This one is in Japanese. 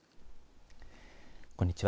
こんにちは。